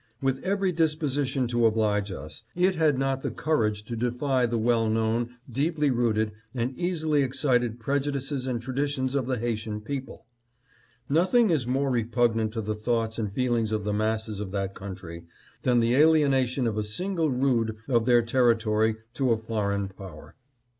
With every disposition to oblige us, it had not the courage to defy the well known, deeply rooted, and easily excited prejudices and traditions of the Haitian people. Nothing is more re pugnant to the thoughts and feelings of the masses of that country than the alienation of a single rood of their territory to a foreign power.